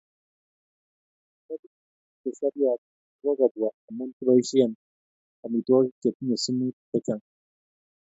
Mianug'ik che seriat ko kokobwa amu kiboishe amitwogik chetinye sumut chechang'